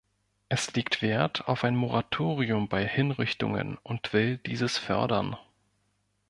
Es legt Wert auf ein Moratorium bei Hinrichtungen und will dieses fördern.